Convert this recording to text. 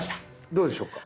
どうでしょうか。